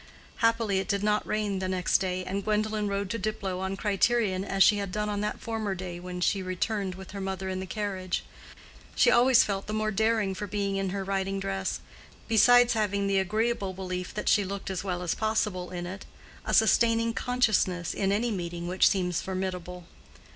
Happily it did not rain the next day, and Gwendolen rode to Diplow on Criterion as she had done on that former day when she returned with her mother in the carriage. She always felt the more daring for being in her riding dress; besides having the agreeable belief that she looked as well as possible in it—a sustaining consciousness in any meeting which seems formidable.